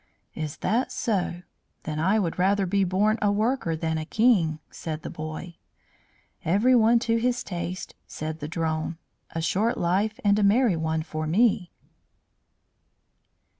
"Is that so? Then I would rather be born a worker than a king," said the boy. "Everyone to his taste," said the drone. "A short life and a merry one for me."